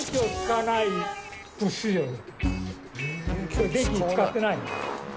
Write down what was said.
今日電気使ってないの。